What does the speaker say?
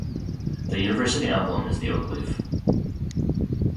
The university emblem is the oak leaf.